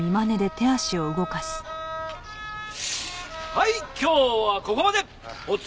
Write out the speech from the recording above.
はい今日はここまで。